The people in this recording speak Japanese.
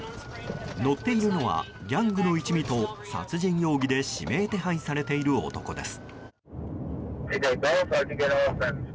乗っているのはギャングの一味と殺人容疑で指名手配されている男です。